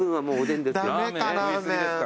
駄目かラーメン。